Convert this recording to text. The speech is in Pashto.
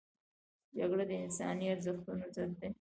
جګړه د انساني ارزښتونو ضد ده